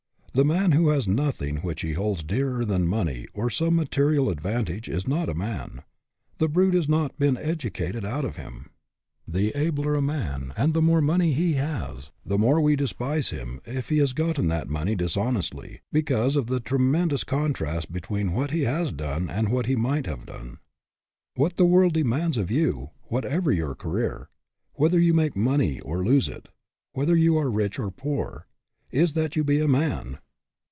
The man who has nothing which he holds dearer than money or some material advan tage is not a man. The brute has not been educated out of him. The abler a man and the more money he has, the more we despise SUCCESS WITH A FLAW 229 him if he has gotten that money dishonestly, because of the tremendous contrast between what he has done and what he might have done. What the world demands of you, whatever your career, whether you make money or lose it, whether you are rich or poor, is that you be a man.